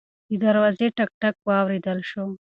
د دروازې ټک ټک واورېدل شو.